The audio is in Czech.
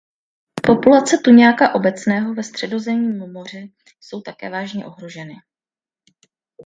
Populace tuňáka obecného ve Středozemním moři jsou také vážně ohroženy.